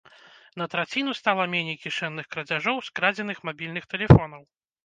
На траціну стала меней кішэнных крадзяжоў, скрадзеных мабільных тэлефонаў.